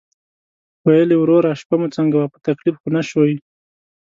ویل یې: "وروره شپه مو څنګه وه، په تکلیف خو نه شوئ؟"